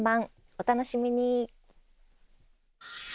お楽しみに。